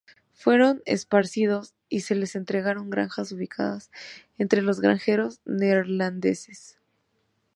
Fueron esparcidos y se les entregaron granjas ubicadas entre los granjeros neerlandeses.